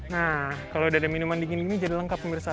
nah kalau ada minuman dingin ini jadi lengkap pemirsa